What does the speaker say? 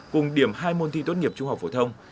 cùng điểm hai môn thi tốt nghiệp trung học phổ thông